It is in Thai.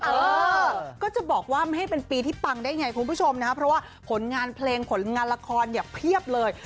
เออก็จะบอกว่าไม่ให้เป็นปีที่ปังได้ไงคุณผู้ชมนะครับเพราะว่าผลงานเพลงผลงานละครเนี่ยเพียบเลย